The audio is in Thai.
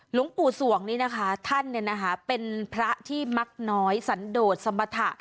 หลวงปู่สวงนี่นะคะท่านเนี่ยนะคะเป็นพระที่มักน้อยสันโดดสมบัติ